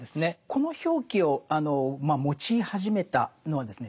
この表記を用い始めたのはですね